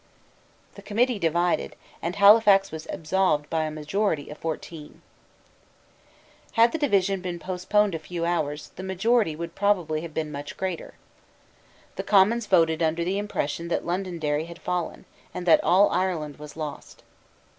The Committee divided, and Halifax was absolved by a majority of fourteen, Had the division been postponed a few hours, the majority would probably have been much greater. The Commons voted under the impression that Londonderry had fallen, and that all Ireland was lost.